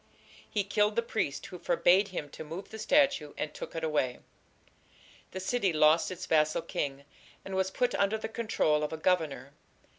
"He killed the priest who forbade him to move the statue, and took it away." The city lost its vassal king, and was put under the control of a governor.